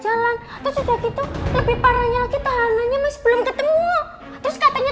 jalan terus kayak gitu lebih parahnya lagi tahanannya mas belum ketemu terus katanya